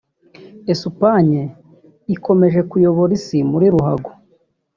Espagne ikomeje kuyobora isi muri ruhago